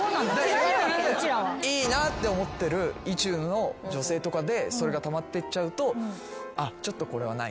いいなって思ってる意中の女性とかでそれがたまってっちゃうとちょっとこれはないなって。